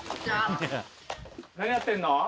何やってんの？